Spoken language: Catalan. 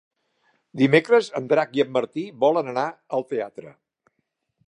Dimecres en Drac i en Martí volen anar al teatre.